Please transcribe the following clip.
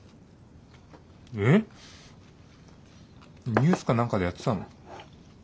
ニュースか何かでやってたの？